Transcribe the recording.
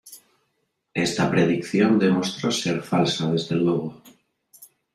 Esta predicción demostró ser falsa desde luego.